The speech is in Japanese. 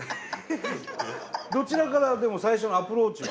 どちらからでも最初のアプローチは？